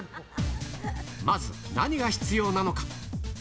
まず、何が必要なのか。